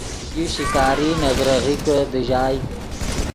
یو شکاری نے بریغیکے دیژائے